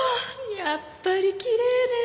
やっぱりきれいね！